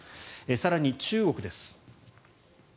更に、中国です。